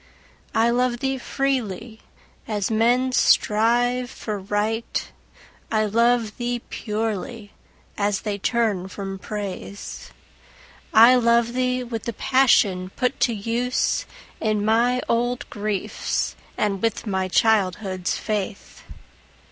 I love thee freely, as men strive for Right; I love thee purely, as they turn from Praise. I love thee with the passion put to use In my old griefs, and with my childhood's faith.